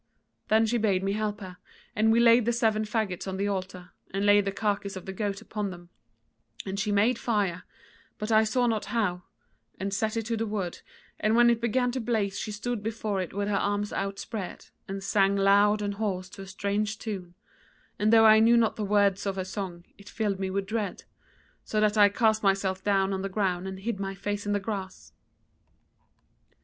Then she bade me help her, and we laid the seven faggots on the alter, and laid the carcase of the goat upon them: and she made fire, but I saw not how, and set it to the wood, and when it began to blaze she stood before it with her arms outspread, and sang loud and hoarse to a strange tune; and though I knew not the words of her song, it filled me with dread, so that I cast myself down on the ground and hid my face in the grass.